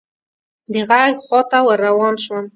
د ږغ خواته ور روان شوم .